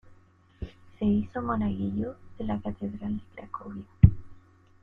Se hizo monaguillo de la catedral de Cracovia.